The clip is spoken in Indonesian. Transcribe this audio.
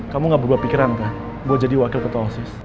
kamu gak berubah pikiran gue jadi wakil ketua osis